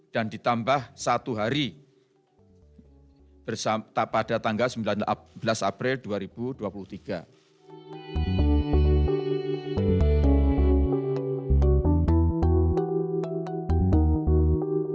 dan ditambah satu hari pada tanggal sembilan belas april dua ribu dua puluh tiga